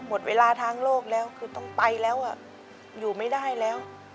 หมดเวลาทางโลกแล้วคือต้องไปแล้วอยู่ไม่ได้แล้ว